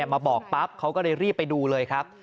มาบอกปั๊บเขาก็เลยรีบไปดูเลยครับ